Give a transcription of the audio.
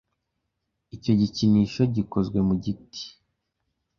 Icyo gikinisho gikozwe mu giti. (GPHemsley)